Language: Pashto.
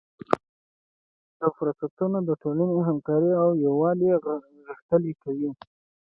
دا فرصتونه د ټولنې همکاري او یووالی غښتلی کوي.